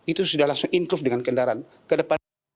itu sudah langsung inkluz dengan kendaraan